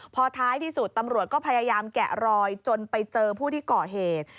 พอท้ายที่สุดตำรวจก็พยายามแกะรอยจนไปเจอผู้ที่ก่อเหตุ